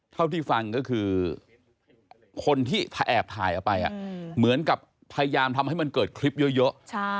เท่าที่ฟังก็คือคนที่แอบถ่ายเอาไปเหมือนกับพยายามทำให้มันเกิดคลิปเยอะ